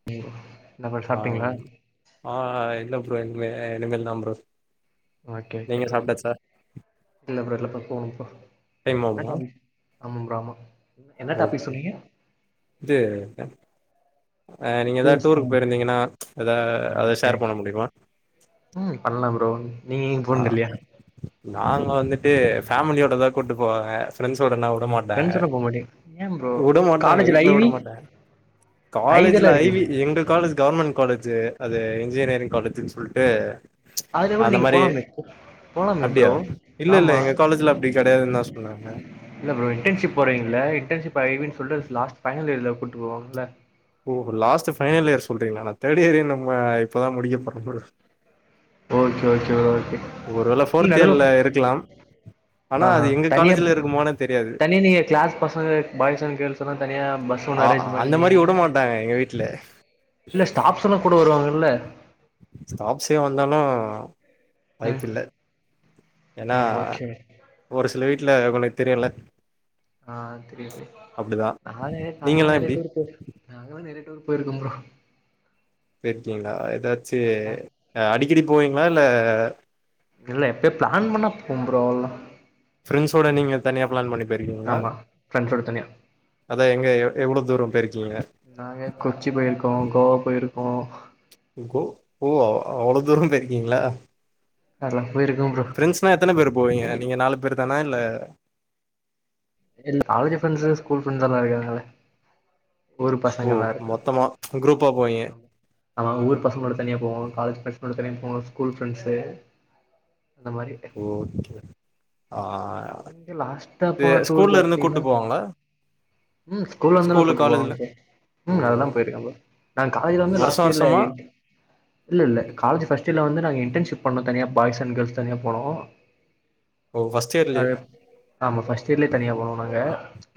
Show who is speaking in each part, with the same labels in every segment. Speaker 1: [inaudible] சாப்ட்டீங்களா
Speaker 2: ஆம் ஆ இல்ல ப்ரோ இனிமே இனிமேல்தா ப்ரோ.
Speaker 1: ஓகே ஓகே
Speaker 2: நீங்க
Speaker 1: ப்ரோ கே
Speaker 2: சாப்ட்டாச்சா
Speaker 1: இல்ல ப்ரோ இல்ல [unintelligible] போணு இப்போ.
Speaker 2: டைம்
Speaker 1: கே என்ன
Speaker 2: ஆகுமா
Speaker 1: டாபிக் ஆமாம் ப்ரோ ஆமா. என்ன டாபிக்
Speaker 2: ஓகே
Speaker 1: சொன்னீங்க
Speaker 2: இது ட அ நீங்க எதா
Speaker 1: டூர்ஸ் ஆ
Speaker 2: டூருக்கு போயிருந்தீங்கன்னா எதா அத
Speaker 1: ஓகே
Speaker 2: ஷேர் பண்ண
Speaker 1: ஓகே
Speaker 2: முடிமா?
Speaker 1: ம் பண்லா ப்ரோ. நீங்க எங்கயும்
Speaker 2: ஆ
Speaker 1: போனது இல்லையா
Speaker 2: நாங்க வந்துட்டு ஃபேமிலியோடதா கூட்டு போவாங்க ஃபிரெண்ஸோடன்னா உட மாட் டாக
Speaker 1: ஃப்ரெண்ட்ஸோட போ மாட்டீங்க ஏன் ப்ரோ
Speaker 2: உட மாட்டாங்க
Speaker 1: காலேஜ்ல
Speaker 2: வீட்ல உட
Speaker 1: ஐவி
Speaker 2: மாட்டாங்க. காலேஜ்ல
Speaker 1: ஐவிலாம்
Speaker 2: ஐ வி
Speaker 1: இருக்குமே
Speaker 2: எங்க காலேஜ் கவுமெண் காலேஜு அது என்ஜினியரிங் காலேஜுன் சொல்ட்டு
Speaker 1: அதுல கூட
Speaker 2: அந்த
Speaker 1: நீங்க
Speaker 2: மாரி
Speaker 1: போலாமே. போலாமே
Speaker 2: அப்டியா
Speaker 1: ப்ரோ
Speaker 2: இல்ல இல்ல
Speaker 1: ஆமா.
Speaker 2: எங்க காலேஜ்ல அப்டி கெடையாதுன்னு தா சொன்னாங்க
Speaker 1: இல்ல ப்ரோ இன்டென்ஷிப் போடுவீங்கள்ல இன்டென்ஷிப் ஐ வின் சொல்ட்டு அதுஸ் லாஸ்ட்டு ஃபைனல் இயர்ல கூட்டு போவாங்கள்ல.
Speaker 2: ஓ லாஸ்ட்டு ஃபைனல் இயர் சொல்றீங்ளா நா தேடு இயரே நம்ம இப்பதா முடிக்க போறே ப்ரோ.
Speaker 1: Okay okay okay.
Speaker 2: ஒருவேள
Speaker 1: இல்ல
Speaker 2: ஃபோர்த் இயர்ல
Speaker 1: நடுவுல
Speaker 2: இருக்கலாம். ஆனா
Speaker 1: ஆ
Speaker 2: அது
Speaker 1: ஆ
Speaker 2: எங்க
Speaker 1: தனியா
Speaker 2: காலேஜ்ல இருக்குமோனே தெரியாது.
Speaker 1: தனியா நீங்க கிளாஸ் பசங்க பாய்ஸ் அண்ட் கேர்ள்ஸ் எல்லா தனியா பஸ் ஒன்னு
Speaker 2: அ
Speaker 1: அரேஞ்ச்
Speaker 2: அந்த
Speaker 1: பண்ணி
Speaker 2: மாரி உட மாட்டாங்க எங்க வீட்ல.
Speaker 1: இல்ல ஸ்டாப்ஸ் எல்லா கூட வருவாங்க இல்ல.
Speaker 2: ஸ்டாஃப்சே வந்தாலு
Speaker 1: ம்
Speaker 2: வாய்ப்பில்ல. ஏனா
Speaker 1: ஓகே
Speaker 2: ஒரு சில வீட்ல உங்குளுக் தெரியுல்ல.
Speaker 1: ஆ தெரியு தெரியு நானு நாங்கல்லா
Speaker 2: நீங்கல்லா
Speaker 1: நறைய
Speaker 2: எப்டி
Speaker 1: டூரு [unintelligible] நாங்கல்லா நறைய டூரு போய்ருக்கம் ப்ரோ.
Speaker 2: போய்ர்க்கீங்ளா எதாச்சு
Speaker 1: அதெல்லா
Speaker 2: அடிக்கடி போவீங்களா இல்ல
Speaker 1: இல்ல எப்யா பிளான் பண்ணா போவ்ம் ப்ரோ அவ்ள்தா.
Speaker 2: ஃப்ரெண்ஸோட நீங்க தனியா பிளான் பண்ணி போயிர்க்கீங்ளா?
Speaker 1: ஆமா ஃப்ரெண்ட்ஸோட தனியா
Speaker 2: அதா எங்க எ எவ்ளோ தூரம் போய்ர்க்கீங்க?
Speaker 1: நாங்க கொச்சி போய்ருக்கோ கோவா போயிருக்கோ.
Speaker 2: கோ ஓ அவ்ளோ தூரம் போயிருக்கீங்ளா?
Speaker 1: அதுல்லா போயிருக்கம் ப்ரோ.
Speaker 2: ஃபிரெண்ஸ்னா எத்தன பேரு போவீங்க நீங்க நாலு பேரு தானா இல்ல
Speaker 1: இல் காலேஜு ஃப்ரெண்ஸ்சு ஸ்கூல் ஃப்ரெண்ஸல்லா இருக்காங்கல்ல. ஊரு பசங்க
Speaker 2: ஓ
Speaker 1: எல்லா இருக்காங்கள்ல.
Speaker 2: மொத்தமா குரூப்பா போவீங்க
Speaker 1: ஆமா. ஆமா ஊர் பசங்களோட தனியா போவோ காலேஜ் பசங்ளோட தனியா போவோ ஸ்கூல் ஃப்ரெண்ஸு.
Speaker 2: ஓகே ஆ
Speaker 1: இங்க லாஸ்ட்டா
Speaker 2: இது
Speaker 1: போன டூர்
Speaker 2: ஸ்கூல்ல இருந்து
Speaker 1: பாத்தீங்கன்னா
Speaker 2: கூட்டு போவாங்ளா?
Speaker 1: ம் ஸ்கூல்லர்ந்து எல்லா கூட்டு போவாங்க ப்ரோ. ம்
Speaker 2: ஓ
Speaker 1: அதெலலாம் போயிருக்கே ப்ரோ நா காலேஜ்ல வந்து
Speaker 2: வருஷ
Speaker 1: லாஸ்ட் இயர்ல
Speaker 2: வருஷமா
Speaker 1: எங் இல்ல இல்ல காலேஜ் ஃபர்ஸ்ட் இயர்ல வந்து இன்டர்ன்ஷிப் பண்ணோ தனியா பாய்ஸ் அண்ட் கேள்ஸ் தனியா போனோ
Speaker 2: ஓ ஃபஸ்ட் இயர்லே
Speaker 1: அது ஆமா ஃபர்ஸ்ட் இயர்லயே தனியா போனோ நாங்க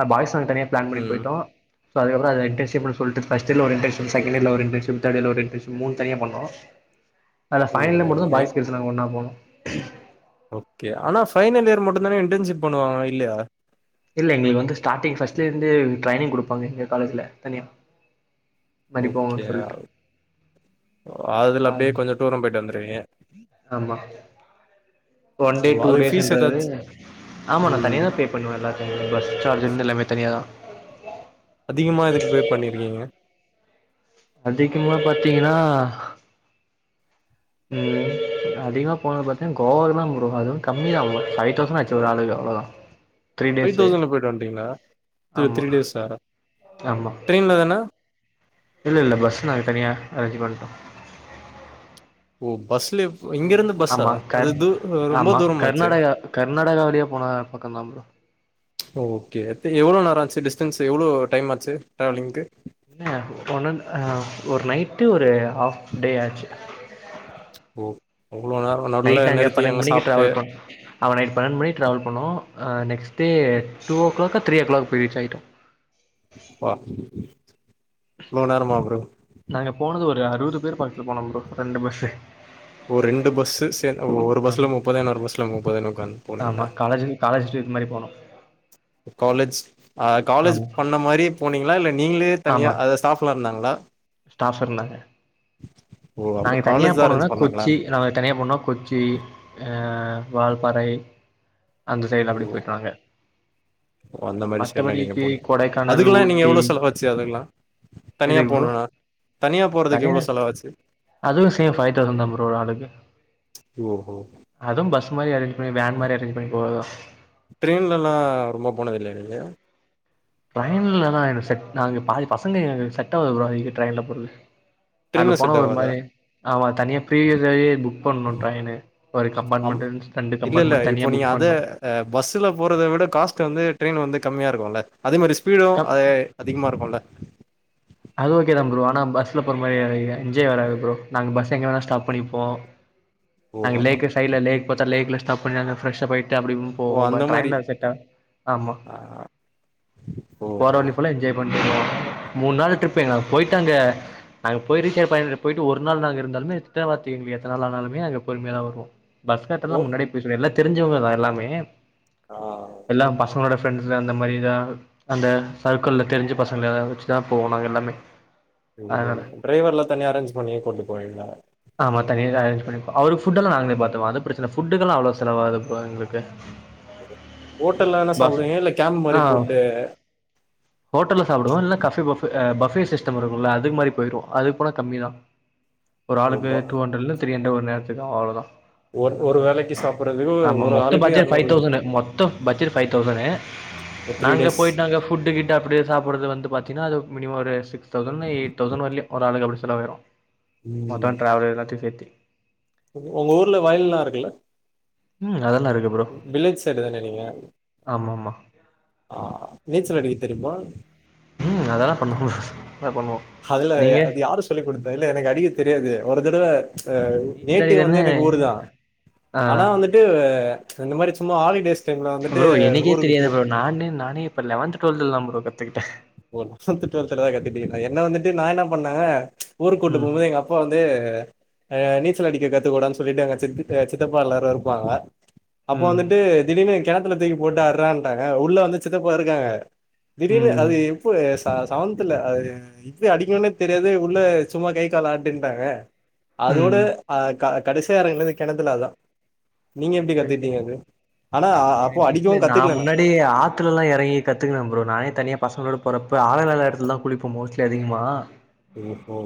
Speaker 1: ஆ பாய்ஸ் அங்கே தனியா பிளான் பண்ணி
Speaker 2: ம்
Speaker 1: போயிட்டோ சோ அதுக்கப்றோ இன்டர்ன்ஷிப்புன்னு சொல்லட்டு ஃபஸ்ட் இயர்ல ஒரு இன்டர்ன்ஷிப் செகண்ட் இயர்ல ஒரு இன்டர்ன்ஷிப் தேர்ட் இயர்ல ஒரு இன்டர்ன்ஷிப் மூணு தனியா பண்ணோ அதுல ஃபைனல்
Speaker 2: ஓஹோ
Speaker 1: இயர் மட்டுதா
Speaker 2: ஏ
Speaker 1: பாய்ஸ் கேள்ஸ் எல்லா ஒன்னா போனோ
Speaker 2: ஓகே ஆனா ஃபைனல் இயர் மட்டுதானே இன்டர்ன்ஷிப் பண்ணுவாங்க இல்லயா
Speaker 1: இல்ல எங்களுக்கு வந்து ஸ்டார்டிங் ஃபஸ்ட்லேருந்தே ட்ரைனிங் குடுப்பாங்க எங்க காலேஜ்ல தனியா இந்த மாரி
Speaker 2: ஓகே
Speaker 1: போங்கன்னு சொல்லிட்டு
Speaker 2: அதுல
Speaker 1: ஆ
Speaker 2: அப்டியே கொஞ்ச டூரும் போயிட்டு வந்துருவீங்க
Speaker 1: ஆமா ஒன் டே
Speaker 2: ஓ
Speaker 1: டூ
Speaker 2: அதுக்கு ஃபீஸ்
Speaker 1: டேஸ்ன்றது
Speaker 2: ஏதாச்சு
Speaker 1: ஆமா நா
Speaker 2: ம்
Speaker 1: தனியாதா பே பண்ணுவ [inaudible] பஸ் சார்ஜ்ல இருந்து எல்லாமே தனியா தா
Speaker 2: அதிகமாக எதுக்கு பே பண்ணியிருக்கீங்க
Speaker 1: அதிகமா பாத்தீங்கன்னா ம் அதிகமா போனது பாத்தீங்கன்னா கோவவுக்கு தா ப்ரோ அதுவு கம்மி தா ஃபைவ் தௌசண்ட் ஆச்சு ஒரு ஆளுக்கு அவ்ளோதா த்ரீ
Speaker 2: ஃபைவ்
Speaker 1: டேஸ்சு
Speaker 2: தௌசண்ட்ல போயிட்டு வந்ட்டீங்களா த்ரீ
Speaker 1: ஆமா
Speaker 2: த்ரீ டேஸா
Speaker 1: ஆமா
Speaker 2: ட்ரெயின்ல தான
Speaker 1: இல்லல்ல பஸ் நாங்க தனியா அரேஞ்ச் பண்ணட்டோ
Speaker 2: ம் பஸ்லே இங்க இருந்து பஸ்சா
Speaker 1: ஆமா
Speaker 2: அது
Speaker 1: கர்
Speaker 2: தூ ரொம்ப
Speaker 1: ஆமா
Speaker 2: தூரமாச்சே
Speaker 1: கர்நாடகா கர்நாடகா வழியா போன பக்கந்தா ப்ரோ
Speaker 2: ஓகே எவ்ளோ நேரோ ஆச்சு டிஸ்டன்ஸ்சு எவ்ளோ டைம் ஆச்சு டிராவலிங்க்கு
Speaker 1: என்ன ஒன் ஆன்ட் ஆ ஒரு நைட்டு ஒரு ஆஃப் டே ஆச்சு
Speaker 2: ஓ அவ்ளோ நேர நடுவுல
Speaker 1: நைட் ஆங்க
Speaker 2: நிறுத்தி
Speaker 1: பன்னெண்டு
Speaker 2: அங்க
Speaker 1: மணிக்கு
Speaker 2: சாப்ட்டு
Speaker 1: டிராவல் பண் அவ நைட் பன்னெண்டு மணிக்கு டிராவல் பண்ணோ ஆ நெக்ஸ்ட் டே டூ ஓகிளாக்கோ தீரி ஓகிளாக்கோ போய் ரீச் ஆகிட்டோ
Speaker 2: ப்பா இவ்ளோ நேரமா ப்ரோ
Speaker 1: நாங்க போனது ஒரு அறுவது பேர் பக்கதுல போனோ ப்ரோ ரெண்டு பஸ்சு
Speaker 2: ஓ ரெண்டு பஸ்சு சே ஒரு பஸ்ல
Speaker 1: ஆமா
Speaker 2: முப்பது இன்னொரு பஸ்ல முப்பதுன்னு உக்காந்து
Speaker 1: ஆமா
Speaker 2: போனீங்களா
Speaker 1: காலேஜ்ல காலேஜ் ட்ரிப் மாரி போணோ
Speaker 2: காலேஜ் காலேஜ்
Speaker 1: ஆமா
Speaker 2: ஆ பண்ண மாரியே போனீங்களா இல்ல நீங்களே தனியாக அதா ஸ்டாஃப் எல்லா இருந்தாங்களா
Speaker 1: ஸ்டாப் இருந்தாங்க
Speaker 2: ஓ அப்போ
Speaker 1: நாங்க தனியா
Speaker 2: காலேஜ் தா
Speaker 1: போனதுன்னா
Speaker 2: அரேஞ்ச் பண்ணாங்களா
Speaker 1: கொச்சி நாங்க தனியாக போனதுனா கொச்சி வால்பாறை அந்த சைடுல அப்டி போயிட்டுவாங்க
Speaker 2: ஓ அந்த மாரி சைடுல நீங்க போனிங் அதுக்குல்லா நீங்க
Speaker 1: ஊட்டி
Speaker 2: எவ்ளோ செலவு ஆச்சு அதுக்குல்லா தனியா போனுண்ணா
Speaker 1: தனிய அதுவு சேம் ஃபைவ் தௌசண்ட் தா ப்ரோ ஒரு ஆளுக்கு
Speaker 2: ஓஹோ
Speaker 1: அது பஸ் மாரி அரேஞ்ச் பண்ணி வேன் மாரி அரேஞ்ச் பண்ணி போறதுதா
Speaker 2: ட்ரெயின்லல்லா ரொம்ப போனது இல்லையா நீங்க
Speaker 1: ட்ரெயின்லல்லா எனக் செட் நாங்க பாதி பசங்க எங்ளுக்கு செட் ஆகாது ப்ரோ அது ட்ரெயின்ல போறது அதுல
Speaker 2: ட்ரெயின்ல
Speaker 1: போன
Speaker 2: செட்
Speaker 1: ஒரு
Speaker 2: ஆவாதா
Speaker 1: மாரி ஆமா தனியா பிரீவியசாவ புக் பண்ணணு டிரெயினு ஒரு
Speaker 2: ஆமா
Speaker 1: கம்பார்ட்மெண்ட் ரெண்டு கம்பார்ட்மெண்ட் தனியா புக் பண்ணு
Speaker 2: பஸ்சில போறத விட காஸ்ட்ட வந்து ட்ரெயின் வந்து கம்மியாக இருக்குல்ல அதே மாரி ஸ்பீடு
Speaker 1: கப்
Speaker 2: அதே அதிகமா இருக்குல்ல
Speaker 1: அது ஓகே தா ப்ரோ ஆனா பஸ்ல போற மாரி என்ஜாய் வராது ப்ரோ நாங்க பஸ்ச எங்க வேணா ஸ்டாப் பண்ணி போ
Speaker 2: ஓ
Speaker 1: நாங்க லேக் சைடல லேக்ல லேக்ல பாத்த ஸ்டாப் பண்ணி பிரஷர்ப் ஆயிட்டு அப்டி
Speaker 2: ஓ
Speaker 1: போகும்
Speaker 2: அந்த
Speaker 1: பட்
Speaker 2: மாரி
Speaker 1: ட்ரெயின்ல செட் ஆகா ஆமா
Speaker 2: ஆ
Speaker 1: போற
Speaker 2: ஓஹோ
Speaker 1: வழி ஃபுல்லா என்ஜாய் வ மூணு நாள் ட்ரிப் எங்கன போயிடங்க நாங்க போய் ரீச்சர் பயன போயிட்டு ஒரு நாங்க இருந்தாலுமே திட்ட வாத்தக்கீங்கள எத்த நாள் ஆனாலமே அங்க பொறுமைய தா வருவோ பாஸ்
Speaker 2: ஓ
Speaker 1: கார்டெல்லா முன்னாடியே போய் சொல்லிலா எல்லா தெரிஞ்சவங்க தா எல்லாமே
Speaker 2: ஆ
Speaker 1: எல்லா பசங்களோட பிரெண்ட்ஸ்ல அந்த மாரிதா அந்த சர்க்கிள்ல தெரிஞ்ச பசங்க யாரவது இருஞ்சினா போவோ நாங்க எல்லாமே
Speaker 2: ம்
Speaker 1: அதனால
Speaker 2: டிரைவர் எலா தனி அரேஞ்ச் பண்ணி கூட்டிட்டு போவிங்களா
Speaker 1: ஆம தனியா அரேஞ்ச் பண்ணிப்போ அவருக்கு ஃபுட்டல்லா நாங்களோ பார்த்துப் போ அது பிரச்சன ஃபுட்டுல்லா அவ்வள செலவாகாது ப்ரோ எங்களுக்கு
Speaker 2: ஹோட்டல்ல என்ன
Speaker 1: பஸ்
Speaker 2: சாப்பிடுறிங்க இல்ல கேம்ப்
Speaker 1: ஆ
Speaker 2: மாரி போட்டுட்டு
Speaker 1: ஹோட்டல்ல சாப்படுவோ இல்ல காஃபே பஃபு பஃபே சிஸ்டம் இருக்கு இல்ல அதுக்கு மாரி போயிடுவோ அது போன கம்மி தா ஒரு ஆளுக்கு
Speaker 2: ரொம்ப
Speaker 1: டூ ஹண்ரெட்லருந்து த்ரி அன்ரேட் ஒரு நேரத்துக்கு அவ்வுளோதா
Speaker 2: ஒரு
Speaker 1: அந்த
Speaker 2: ஒரு வேலைக்கு
Speaker 1: மாரி
Speaker 2: சாப்புட்றதுக்கு
Speaker 1: ஆமா
Speaker 2: ஒரு
Speaker 1: மொத்த
Speaker 2: ஆளுக்கு
Speaker 1: பட்ஜெட் ஃபைவ்
Speaker 2: எரநூறுல
Speaker 1: தௌசண்னு மொத்த பட்ஜெட் ஃபைவ் தௌசண்னு
Speaker 2: ஒரு த்ரீ
Speaker 1: நாங்க
Speaker 2: டேஸ்
Speaker 1: போயிட்டு நாங்க ஃபுட்டு கிட்டு து அப்படியே சாப்படுறது வந்து பாத்தீன்னா அது மினிம் ஒரு சிக்ஸ் தௌசண் ஏயாட் தௌசண் வரைலியு ஒரு ஆளுக்கு அப்படி சொலவு ஆகிரு மத்த
Speaker 2: ம்
Speaker 1: டிராவல் எல்லாத்தையு சேத்தி
Speaker 2: உங்க ஊர்ல வயல் எல்லா இருக்குல்ல
Speaker 1: ம் அதெல்லா இருக்கு ப்ரோ
Speaker 2: வில்லேஜ் சைடு தானே நீங்க
Speaker 1: ஆமா ஆமா
Speaker 2: ஆ நீச்சல் அடிக்க தெரியுமா
Speaker 1: ம் அதெல்லா பண்ணுவோ அத பண்ணுவோம்
Speaker 2: அதுல அது யாரு சொல்லிக் கொடுத்த இல்ல எனக்கு அடிக்க தெரியாது ஒரு தடவ ம்ச்
Speaker 1: நீச்சல்
Speaker 2: நேட்டிவ் வந்து
Speaker 1: அடிக்கிறதுன்னு
Speaker 2: எனக்கு ஊரு தா
Speaker 1: ஆ
Speaker 2: ஆனா வந்து டு ம்ச் இந்த மாரி சும்மா ஹாலிடேஸ் டைம்ல வந்துட்டு
Speaker 1: ப்ரோ எனக்கே
Speaker 2: ஊருக்கு
Speaker 1: தெரியாது
Speaker 2: போ
Speaker 1: ப்ரோ நானே நானே இப்ப லெவன்த் டுவெல்த்ல்லா ப்ரோ கத்துக்கிட்ட
Speaker 2: [unintelligible] என்ன வந்துட்டு நா என்ன பண்ணா ம்ச் ஊர் கூட்டு
Speaker 1: ம்
Speaker 2: போம்போது எங்க அப்ப அப்பா வந்து அ நீச்சல் அடிக்க கத்துக்கோடான்னுட்டு எங்க சித் சித்தப்பா எல்லோரு இருப்பாங்க அப்போ
Speaker 1: ம்
Speaker 2: வந்துட்டு திடீர்னு கெணத்துல தூக்கி போட்டு அடுறான்ட்டாங்க உள்ள வந்து சித்தப்பா இருக்காங்க திடீர்னு
Speaker 1: ம்
Speaker 2: அது எப்போ செவன்தல அது எப்டி அடிக்கனுனே தெரியாது உள்ள சும்மா கை கால் ஆட்டுன்டாங்க அதோட
Speaker 1: ம்
Speaker 2: அ கடைசியா எரங்குனது கெனத்துல அதா நீங்க எப்படி
Speaker 1: ஓகே ஓகே
Speaker 2: கத்துட்டீங்க அது ஆனா அப்போ அடிக்கவு கத்துக்கலனா
Speaker 1: கெணத்துல எல்லா எறங்கி கத்துக்குள ஃப்ரோ நானே தனியா பசங்களோட போறப்ப ஆலோ இல்லாத எடத்துல தா குளிப்ப மோஸ்ட்லி அதிகமா
Speaker 2: ஒ ஒ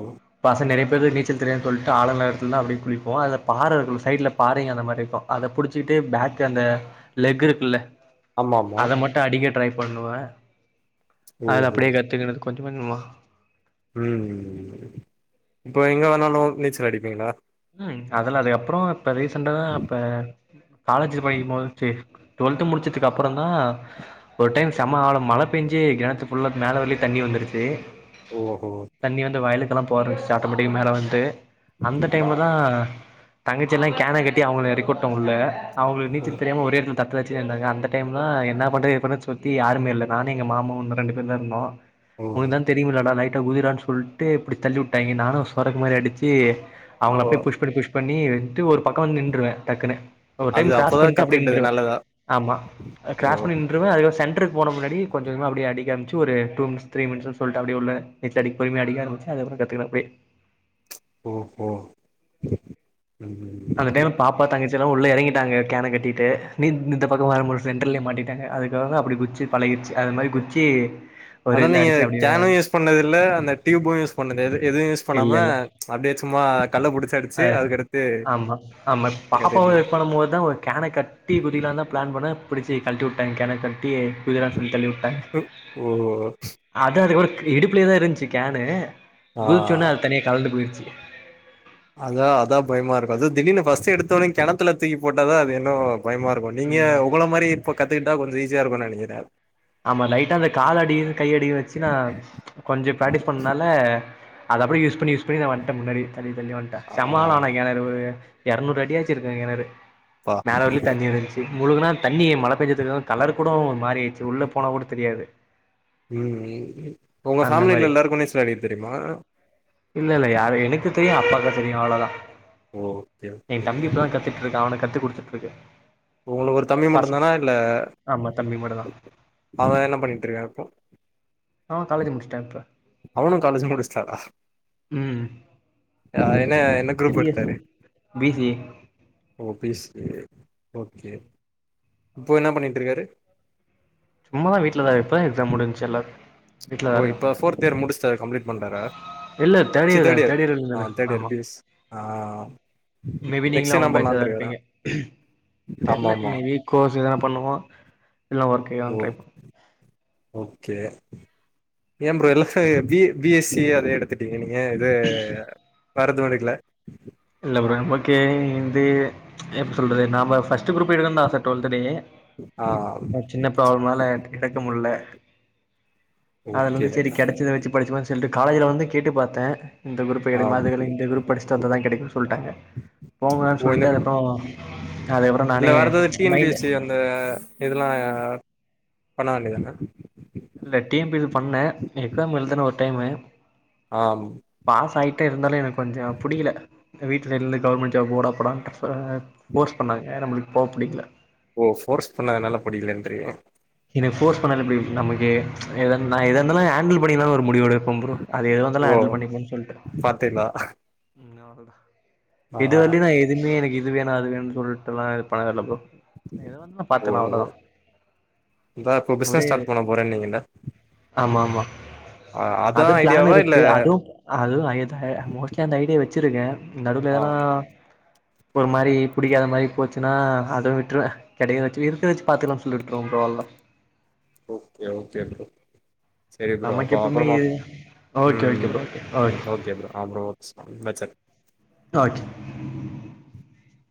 Speaker 1: பசங்க நெறைய பேருக்கு நீச்சல் தெரியாதுன்னு சொல்லிட்டு ஆழ இல்லாத இல்லாத எடத்துல தா அப்படியே குளிப்போ அதுல பாரே இருக்கு சைடுல பாரெங்க அந்த மாரி இருக்கு அத பிடிச்சக்கிட்டு பேக் அந்த லெக் இருக்குல்ல
Speaker 2: ஆமா ஆமா
Speaker 1: அத மட்டு மட்டு அடிக்க ட்ரை பண்ணுவே அது
Speaker 2: ஓஹோ
Speaker 1: அப்படியே கத்துக்கிறது கொஞ்சு கொஞ்சுமா
Speaker 2: ம் இப்போ எங்கே வேணாலு நீச்சல் அடிப்பீங்களா
Speaker 1: உம் அதுல அதுக்கப்புறோ இப்ப ரீசண்டாதா இப்ப காலேஜ் [unintelligible] டுவெல்த் முடிச்சதுக்கு அப்புறோ தா ஒரு டைம் செம ஆளம் மழை பெஞ்சு கெணத்து புல்லா மேல வலியா தண்ணி வந்துருச்சு
Speaker 2: ஓ ஓ
Speaker 1: தண்ணி வந்து வயலுக்குல்லா போறந்துச்சு ஆட்டோமேட்டிக் மேல வந்து அந்த ஆ தங்கச்சி எல்லா கேன கட்டி அவங்க எரக்கிவிட்டே உள்ள அவங்களுக்கு
Speaker 2: ஓ
Speaker 1: நீச்சல் தெரியாம ஒரேடத்துத்தில் தத்தளுச்சு இருந்தாங்க அந்த டைம்லா என்ன பண்றது எது பண்ற சுத்தி யாருமே இல்ல நானு எங்க மாமா ஒன்னு ரெண்டு பேர் தா இருந்தோ
Speaker 2: ஓ
Speaker 1: உனக்குதா தெரியும்லடா லைட்டா குதி ரான்னு சொல்ட்டு இப்டி தள்ளி வுட்டாய்ங்க நானு சொரக்கு மாரி அடிச்சு அவங்கள
Speaker 2: ஓ
Speaker 1: அப்டியே புஷ் பண்ணி புஷ் பண்ணி விட்டு ஒரு பக்க வந்து நின்ருவே டக்குன்னு ஒரு
Speaker 2: அது
Speaker 1: டைம் கிராஸ்
Speaker 2: அப்பதா
Speaker 1: பண்ட்டு அப்டியே
Speaker 2: கத்துக்கிட்டது
Speaker 1: நின்றுவே
Speaker 2: நல்லதா
Speaker 1: ஆமா
Speaker 2: ஓ
Speaker 1: கிராஸ் பண்ணி ருவே அதுக்க சென்டருக்கு போற முன்னாடி கொஞ்ச கொஞ்சமா அப்டி அடி காமிச்சு ஒரு டூ மின்ஸ் த்ரீ மினிட்ஸ்ஸுன் சொல்ட்டு அப்டியே உள்ள நீச்ச அடிக்கு பொருமையா அடிக்க ஆரம்பிச்சு அதுப்புற கத்துக்குன அப்டிய
Speaker 2: ஓஹோ ம் ம்
Speaker 1: அந்த டைம்ல பாப்பா தங்கச்சி எல்லா உள்ள எறங்கிட்டாங்க கேனக்கட்டிட்டு நீ இந்த பக்க வரம்போது சென்டர்லயே மாட்டிட் டேங்க அதுக்காக அப்டி குதிச்சி பழகிருச்சி அது மாரி குதிச்சி
Speaker 2: ஆனா நீங்க கேனே யூஸ் பண்ணதுல்ல அந்த டியூபு யூஸ் பண்ணது எது எதுவு யூஸ் பண்ணாம
Speaker 1: இல்ல இல்ல
Speaker 2: அப்டியே சும்மா கல் புடிச்
Speaker 1: அ ஆமா ஆமா பாப்பாவ இ
Speaker 2: கத்துக்கிட்டீங்க
Speaker 1: பண்ண போதுதா ஒரு கேன கட் ட குதிகக்களா தா பிளான் பண்ண பிடிச்சி கழட்டி விட்டாங்க கேன கட் டி குதிடா சொல்லி தள்ளிவிட்டாங்க
Speaker 2: ஓ
Speaker 1: அது அதுக்கு அப்ற இ இடுப்புலயே தா இருந்துச்சு கேனு
Speaker 2: ஆ
Speaker 1: குதிச்சோன்னே அது தனியே கலன்ட்டு போயிருச்சு
Speaker 2: அதா அதா பயமா இருக்கு அது திடீனு ஃபர்ஸ்ட் எடுத்தோனையு கிணத்துல தூக்கிபோட்டாதா அது இன்னு பயமா இருக்கு நீங்க
Speaker 1: ம்
Speaker 2: உங்கள மாரி இப்ப கத்துக்கிட்டா கொஞ்சோ ஈஸியா இருக்கு நெனைக்கிறே
Speaker 1: ஆமா லைட்டா அந்த கால் அடி கை அடியு வெச்சு நா கொஞ்ச பிராக்டிஸ் பண்ணனால அத அப்டியே யூஸ் பண்ணி யூஸ் பண்ணி வந்ட்ட முன்னாடி தள்ளி தள்ளி வந்
Speaker 2: ஆ
Speaker 1: சமா ஆள ஆனா கெணறு ஒரு எரநூறு அடியாச்சு இருக்கு கெணறு
Speaker 2: அப்பா
Speaker 1: மேலே வரைக்கு தண்ணி இருந்ச்சு முழுகுனா தண்ணி மழ பெஞ்சதுக்கு கலர் கூட மாறி ஆய்ட்ச்சி உள்ள போனா கூட தெரியாது
Speaker 2: ம் ம் ம் உங்க
Speaker 1: அந்த
Speaker 2: ஃபேமிலில
Speaker 1: மாரி
Speaker 2: எல்லாருக்கு நீச்சல் அடிக்க தெரியுமா
Speaker 1: இல்ல இல்ல யாரு எனக்கு தெரியு எ அப்பாவுக்கு தெரியு அவ்வளோதா
Speaker 2: ஓகே
Speaker 1: எ
Speaker 2: ஓகே
Speaker 1: தம்பி இப்பதா கத்துக் ருக்கா அவனுக்கு கத்து குடுத்துட்டு இருக்கே
Speaker 2: உங்களுக்கு ஒரு தம்பி மட்டுதானா இல்ல
Speaker 1: ஆமா தம்பி மட்டுந்தா
Speaker 2: அவ என்ன பண்ணிட்டு இருக்கா இப்போ
Speaker 1: ஆ காலேஜ் முடிச்ட்டா இப்ப
Speaker 2: அவனு காலேஜு முடிச்ட்டாரா
Speaker 1: ம்
Speaker 2: அ என்ன என்ன
Speaker 1: த்ரீ
Speaker 2: குரூப்
Speaker 1: இயர்ஸ்
Speaker 2: எடுத்தாரு
Speaker 1: பி சி ஏ
Speaker 2: ஓ பிஸ்ல் ஓகே இப்போ என்ன பண்ணிட்டு இருக்காரு
Speaker 1: சும்மாதா வீட்டுல தா இப்போதா எக்ஸாம் முடிச்சி எல்லா வீட்லதா
Speaker 2: ஓ
Speaker 1: இருக்கா
Speaker 2: இப்ப ஃபோர்த் இயர் முடிச்டாரு கம்ப்லீட் பண்டாரா
Speaker 1: தேர்ட்
Speaker 2: சி தேட்
Speaker 1: தான
Speaker 2: இயர்
Speaker 1: தேர்ட்
Speaker 2: அ
Speaker 1: தான
Speaker 2: தேட் இயர்
Speaker 1: ஆமா
Speaker 2: பிஸ் ஆ
Speaker 1: மேபி நீங்களு
Speaker 2: நெக்ஸ்ட்
Speaker 1: அவ
Speaker 2: என்ன
Speaker 1: பயச்சாதா
Speaker 2: பண்ணலான்ட்டு இருக்காரா
Speaker 1: இருப்பீங்க
Speaker 2: ஆமா
Speaker 1: தெர்ல
Speaker 2: ஆமா
Speaker 1: மேபி கோர்ஸ் எதான பண்ணுவோ இல்ல ஒர்க்கு
Speaker 2: ஓ ஓகே ஏ ப்ரோ எல்லா ஃப பி சி எஸ் சி அது எடுத் திட்டீங்க நீங்க இது வேற எதுவு எடிக்கல
Speaker 1: இல்ல ப்ரோ நமக்கு வந்து எப்டி சொல்றது நாம ஃபஸ்ட் குரூப் எடுக்குனு தா ஆச டுவெல்துலயே
Speaker 2: ஆ
Speaker 1: சின்ன ப்ராப்ளம்னால எடு எடுக்க முடில
Speaker 2: ஓகே
Speaker 1: அதுலந்து சேரி கெடைச்சத வெ ச்சு படிச்சுபே சொல்லி காலேஜ்ல வந்து கேட்டு பாத்தே இந்த குரூப்
Speaker 2: ஆ
Speaker 1: கெடைகுமா அது இல்ல இந்த குரூப் படிச்சு வந்தாதா கெடைக்கு சொல்லிட்டாங்க போங்கனு
Speaker 2: ஓ இந்த
Speaker 1: சொல்ட்டு அதுக்கப்றோ அதுக்கப்புறோ நானே மைண்ட்
Speaker 2: இந்த இதெல்லா பண்ண வேண்டியதானே
Speaker 1: இல்ல டி எம் பி சி பண்ணே எக்ஸாம் எழுதுனே ஒரு டைமு
Speaker 2: ஆம்
Speaker 1: பாஸ் ஆயிட்டே இருந்தாலு எனக்கு கொஞ்ச புடிக்கல ஏ வீட்ல இருந்து கவர்மெண்ட் ஜாப் போடா போடான்டு இப்ப ஃபோர்ஸ் பண்ணாங்க நம்பளுக்கு போக புடிக்கல
Speaker 2: ஓ ஃபோர்ஸ் பண்ணதனால படிக்கலன்றீங்க
Speaker 1: என்னைய ஃபோர்ஸ் பண்ண எப்டி நமக்கு எ நா எதா இருந்தாலு ஹேண்டில் பண்ணிக்லா ஒரு முடிவு எடுப் ப ப்ரோ அது எதுவா இருந்தாலு
Speaker 2: ஓ
Speaker 1: ஹேண்டல் பண்ணிக்கோம்னு சொல்லிட்டு
Speaker 2: பாத்தீங்களா
Speaker 1: அவ்ளோதா
Speaker 2: ஆ
Speaker 1: இது வரையுலு நா எதுவுமே எனக்கு இது வேணு அது வேணும்னு சொல்லிட்டுல்லா இது பழகல்ல ப்ரோ எதுவா இருந்தாலு
Speaker 2: ஓ
Speaker 1: பாத்துக்லா அவ்ளோதா
Speaker 2: இதா இப்போ பிசினஸ்
Speaker 1: ஒரே இது
Speaker 2: ஸ்டார்ட் பண்ண போறேனீங்கள
Speaker 1: ஆமா ஆமா
Speaker 2: அதா
Speaker 1: அதுவு பிளான்
Speaker 2: ஐடியாவா இல்ல
Speaker 1: இருக்கு அதுவு அதுவு [unintelligible] மோஸ்ட்லி அந்த ஐடியா வச்சிருக்கே நடுவுல
Speaker 2: ஆ
Speaker 1: எதுனா ஒரு மாரி பிடிக்காத மாரி போச்சுனா அத விட்ருவே கெடைக்கிறத இருக்கத வச்சு பாத்துக்லானு சொல்லிட் ப்ரோ ப்ரோல்ல
Speaker 2: ஓகே ஓகே ப்ரோ செரி ப்ரோ அப்ப
Speaker 1: நமக்கு
Speaker 2: அப்பற
Speaker 1: எப்பவுமே
Speaker 2: பாப்
Speaker 1: ஓகே ஓகே
Speaker 2: ம்
Speaker 1: bro okay
Speaker 2: okay bro [unintelligible]
Speaker 1: okay